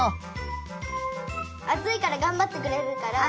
あついからがんばってくれるから。